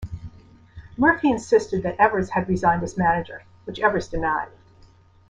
Murphy insisted that Evers had resigned as manager, which Evers denied.